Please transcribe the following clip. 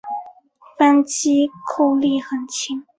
扳机扣力很轻。